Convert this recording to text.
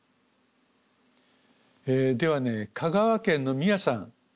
ではね香川県のみやさん。